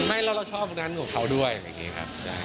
ไม่แล้วเราชอบนั้นของเขาด้วยอะไรอย่างนี้ครับ